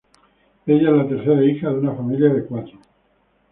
Ella es la tercera hija de una familia de cuatro.